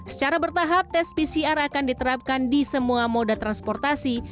secara bertahap tes pcr akan diterapkan di semua moda transportasi